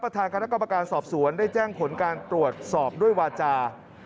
ทางคณะกรรมการสอบสวนได้แจ้งผลการตรวจสอบด้วยวาจา